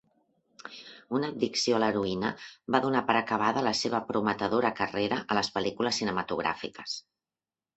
Una addició a la heroïna va donar per acabada la seva prometedora carrera a les pel·lícules cinematogràfiques.